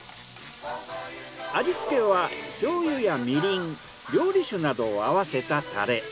味つけは醤油やみりん料理酒などを合わせたタレ。